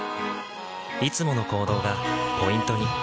いつもの行動がポイントに。